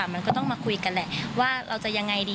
มันก็ต้องมาคุยกันแหละว่าเราจะยังไงดี